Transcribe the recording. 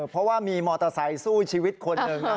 เพราะว่ามีมอเตอร์ไซค์สู้ชีวิตคนหนึ่ง